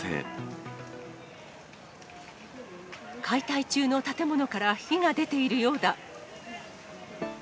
解体中の建物から火が出ているようだ。